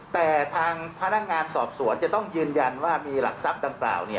แต่ทางพนักงานสอบสวนจะต้องยืนยันว่ามีหลักทรัพย์ดังกล่าว